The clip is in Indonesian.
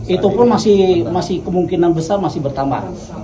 itu pun masih kemungkinan besar masih bertambah